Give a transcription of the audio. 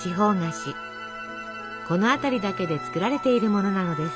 この辺りだけで作られているものなのです。